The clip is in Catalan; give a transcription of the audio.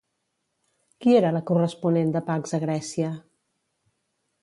Qui era la corresponent de Pax a Grècia?